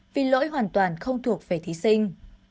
vì lỗi hoàn toàn không thuộc về thí sinh